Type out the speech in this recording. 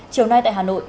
chiều nay tại hà nội